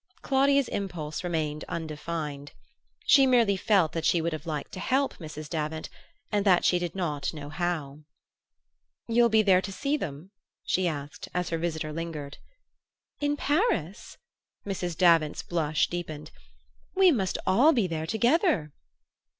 Claudia's impulse remained undefined. She merely felt that she would have liked to help Mrs. Davant, and that she did not know how. "You'll be there to see them?" she asked, as her visitor lingered. "In Paris?" Mrs. Davant's blush deepened. "We must all be there together."